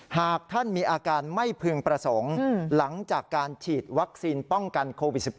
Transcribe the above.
หากท่านมีอาการไม่พึงประสงค์หลังจากการฉีดวัคซีนป้องกันโควิด๑๙